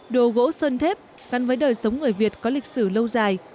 đồ gỗ sơn thép gắn với đời sống người việt có lịch sử lâu dài